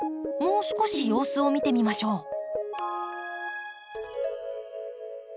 もう少し様子を見てみましょう。